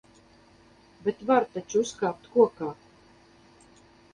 Bet var taču uzkāpt kokā!